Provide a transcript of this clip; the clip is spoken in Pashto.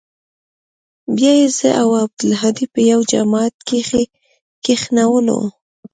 بيا يې زه او عبدالهادي په يوه جماعت کښې کښېنولو.